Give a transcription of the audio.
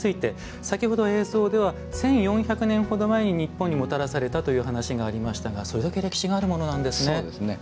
先ほど映像では１４００年ほど前に日本にもたらされたという話がありましたが、それだけ歴史があるものなんですね。